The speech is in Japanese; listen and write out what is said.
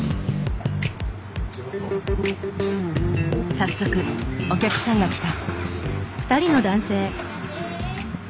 早速お客さんが来た。